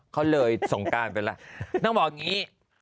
เขาเลยสงการไปแล้วต้องบอกอย่างนี้